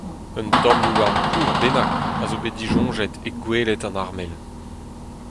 Un tamm houarn kozh bennak a zo bet disoñjet e goueled an armel.